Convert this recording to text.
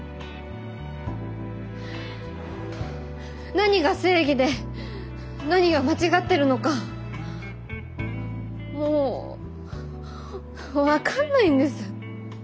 何が正義で何が間違ってるのかもう分かんないんです。